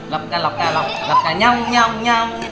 lọc cà lọc cà lọc lọc cà nhong nhong nhong